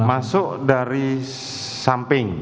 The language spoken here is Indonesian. masuk dari samping